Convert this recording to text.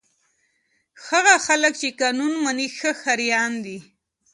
هغه خلک چې قانون مني ښه ښاریان دي.